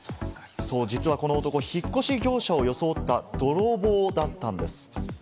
実はこの男、引っ越し業者を装った泥棒だったんです。